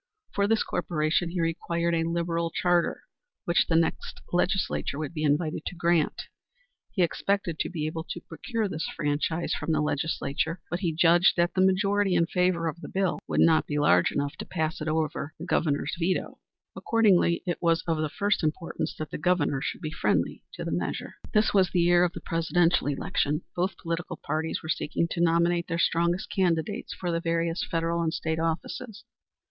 For this corporation he required a liberal charter, which the next legislature would be invited to grant. He expected to be able to procure this franchise from the legislature, but he judged that the majority in favor of the bill would not be large enough to pass it over the Governor's veto. Accordingly it was of the first importance that the Governor should be friendly to the measure. This was the year of the Presidential election. Both political parties were seeking to nominate their strongest candidates for the various federal and state offices.